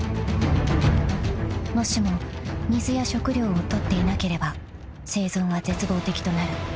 ［もしも水や食料を取っていなければ生存は絶望的となる］